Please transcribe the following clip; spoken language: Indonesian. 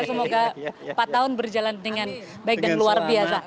semoga empat tahun berjalan dengan baik dan luar biasa